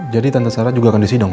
jadi tante sarah juga akan disidang